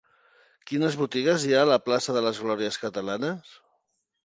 Quines botigues hi ha a la plaça de les Glòries Catalanes?